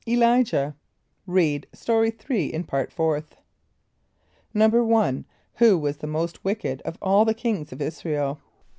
Elijah. (Read Story 3 in Part Fourth.) =1.= Who was the most wicked of all the kings of [)I][s+]´ra el?